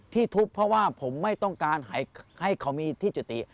ทุบเพราะว่าผมไม่ต้องการให้เขามีที่จุติ